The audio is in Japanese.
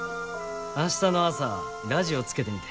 明日の朝ラジオつけてみて。